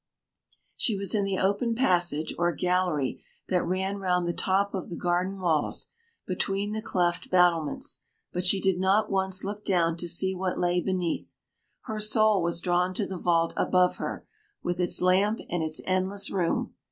She was in the open passage or gallery that ran round the top of the garden walls, between the cleft battlements, but she did not once look down to see what lay beneath. Her soul was drawn to the vault above her, with its lamp and its endless room.